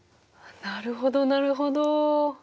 なるほどなるほど。